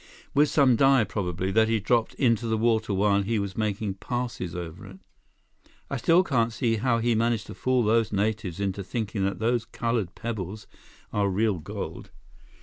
"With some dye, probably, that he dropped into the water while he was making passes over it." "I still can't see how he managed to fool those natives into thinking that those colored pebbles are real gold."